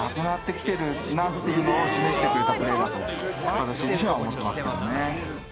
私自身は思ってますけどね。